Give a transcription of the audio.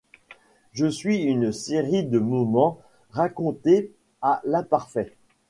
Je suis une série de moments racontés à l’imparfait.